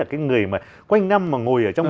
cái người mà quanh năm mà ngồi ở trong